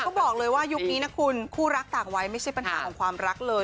เขาบอกเลยว่ายุคนี้นะคุณคู่รักต่างไว้ไม่ใช่ปัญหาของความรักเลย